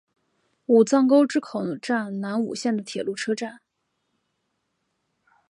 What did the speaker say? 武藏沟之口站南武线的铁路车站。